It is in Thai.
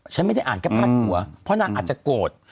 ฉันไม่ได้อ่านแค่พาดหัวเพราะนางอาจจะโกรธ